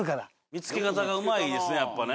見つけ方がうまいですねやっぱね。